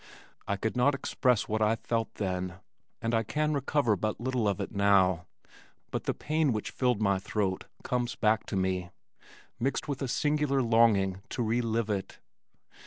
I could not express what I felt then, and I can recover but little of it now, but the pain which filled my throat comes back to me mixed with a singular longing to relive it.